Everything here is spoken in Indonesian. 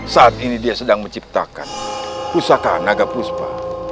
saat ini dia sedang menciptakan pusaka naga puspa